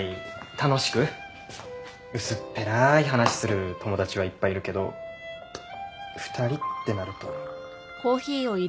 楽しく薄っぺらい話する友達はいっぱいいるけど２人ってなると。